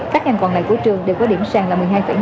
các ngành còn lại của trường đều có điểm sàng là một mươi hai năm